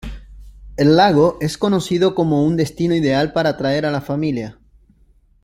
El lago es conocido como un destino ideal para traer a la familia.